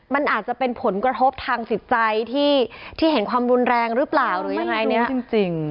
มันอาจจะเป็นผลกระทบทางสิทธิ์ใจที่ที่เห็นความรุนแรงรึเปล่าหรือยังไงไม่รู้จริงจริง